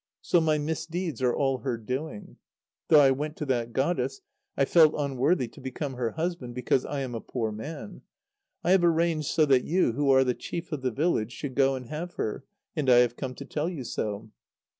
So my misdeeds are all her doing. Though I went to that goddess, I felt unworthy to become her husband, because I am a poor man. I have arranged so that you, who are the chief of the village, should go and have her, and I have come to tell you so.